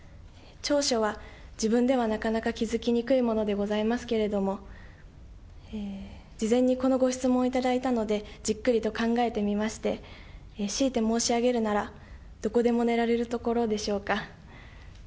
長所は、自分ではなかなか気付きにくいものでございますけれども、事前にこのご質問をいただいたので、じっくりと考えてみまして、しいて申し上げるなら、どこでも寝られるところでしょうか。